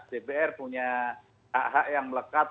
dpr punya hak hak yang melekat